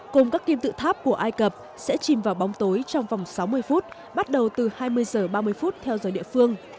cùng các kim tự tháp của ai cập sẽ chìm vào bóng tối trong vòng sáu mươi phút bắt đầu từ hai mươi h ba mươi phút theo giờ địa phương